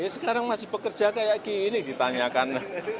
sekarang masih bekerja kayak gini ditanyakan